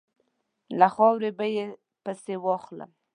له خاورې به یې پسي واخلم.